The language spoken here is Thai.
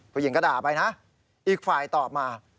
ผู้หญิงก็ด่าไปนะอีกฝ่ายตอบมา